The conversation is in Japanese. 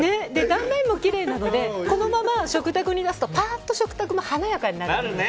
断面もきれいなのでこのまま食卓に出すとパーッと食卓も華やかに。